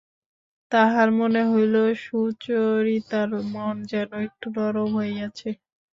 তাঁহার মনে হইল সুচরিতার মন যেন একটু নরম হইয়াছে।